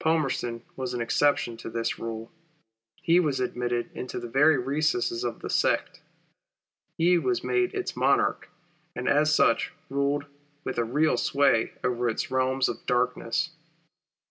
Palmerston was an exception to this rule. He was admitted into the very recesses of the sect. He was made its Monarch, and as such ruled with a real, sway over its realms of darkness.